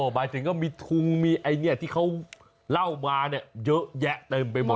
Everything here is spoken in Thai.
หมายถึงก็มีทุ่งมีอันนี้ที่เขาเล่ามาเยอะแยะเติมไปหมด